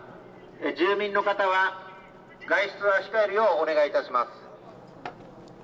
住民の方は、外出は控えるようお願いいたします。